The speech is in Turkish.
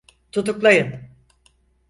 Tutuklayın!